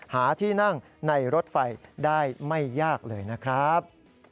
หาที่นั่งในรถไฟได้ไม่ยากเลยนะครับ